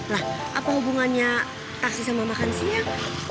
lah apa hubungannya taksi sama makan siang